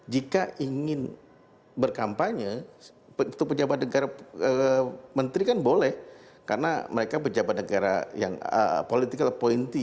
jika ingin berkampanye itu pejabat negara menteri kan boleh karena mereka pejabat negara yang political appointee